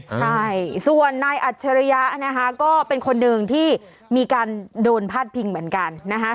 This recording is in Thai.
ใช่ส่วนนายอัจฉริยะนะคะก็เป็นคนหนึ่งที่มีการโดนพาดพิงเหมือนกันนะคะ